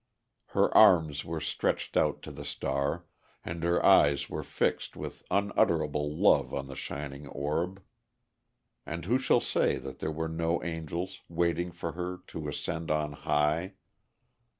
Her arms were stretched out to the star, and her eyes were fixed with unutterable love on the shining orb. And who shall say that there were no angels, waiting for her to ascend on high?